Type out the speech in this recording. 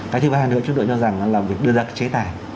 cái thứ ba nữa chúng tôi cho rằng là việc đưa ra các chế tài